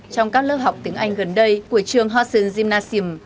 trong các lớp học tiếng anh gần đây của trường hossin gymnasium